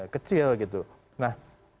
kecil gitu nah